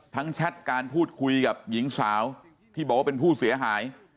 แชทการพูดคุยกับหญิงสาวที่บอกว่าเป็นผู้เสียหาย